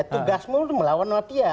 tugas melawan mafia